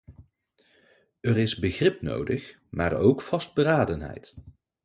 Er is begrip nodig, maar ook vastberadenheid.